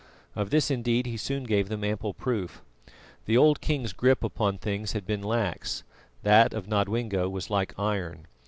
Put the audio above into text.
Of this indeed he soon gave them ample proof. The old king's grip upon things had been lax, that of Nodwengo was like iron.